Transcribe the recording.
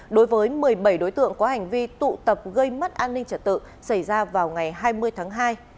đối với một mươi bảy đối tượng có hành vi tụ tập gây mất an ninh trật tự xảy ra vào ngày hai mươi tháng hai